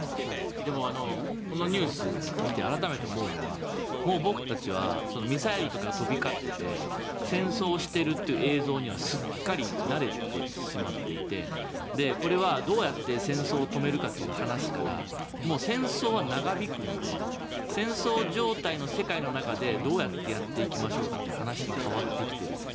でも、このニュース見て改めて思うのはもう僕たちはミサイルとかが飛び交っていて戦争をしているという映像にはすっかり慣れてしまっていてこれは、どうやって戦争を止めるかという話からもう戦争は長引くので戦争状態の世界の中でどうやってやっていきましょうかという話に変わってきている。